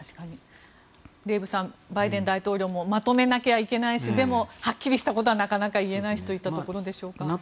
デーブさんバイデン大統領もまとめなきゃいけないしでも、はっきりしたことはなかなか言えないしといったところでしょうか。